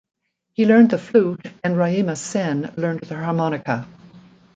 He learned the flute and Raima Sen learned the harmonica.